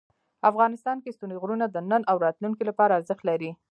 افغانستان کې ستوني غرونه د نن او راتلونکي لپاره ارزښت لري.